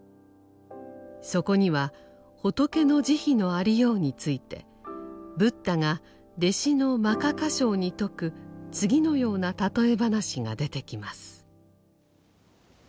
そこには仏の慈悲のありようについてブッダが弟子の摩訶迦葉に説く次のような譬え話が出てきます。